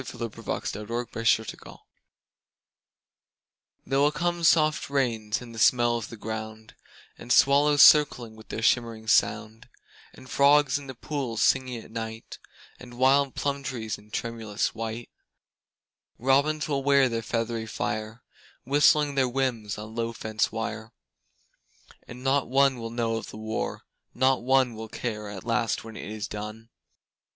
VIII "There Will Come Soft Rains" (War Time) There will come soft rains and the smell of the ground, And swallows circling with their shimmering sound; And frogs in the pools singing at night, And wild plum trees in tremulous white; Robins will wear their feathery fire Whistling their whims on a low fence wire; And not one will know of the war, not one Will care at last when it is done.